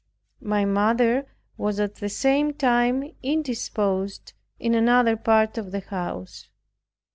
My mother was at the same time indisposed in another part of the house.